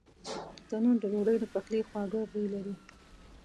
تنور د ډوډۍ د پخلي خواږه بوی لري